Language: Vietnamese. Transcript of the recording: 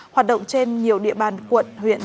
hoạt động trên nhiều địa bàn quận huyện